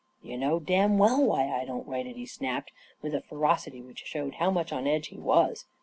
" You know damn well why I don't write it," he snapped, with a ferocity which showed how much on edge he was.